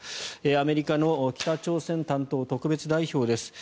アメリカの北朝鮮担当特別代表です。